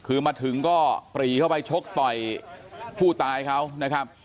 คือมาถึงก็ปรีเข้าไปชกต่อยผู้ตายเขานะครับ